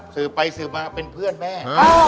ษื่อไปษื่อมาเป็นเพื่อนแม่